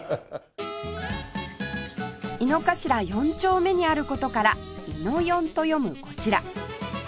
井の頭４丁目にある事から「イノヨン」と読むこちら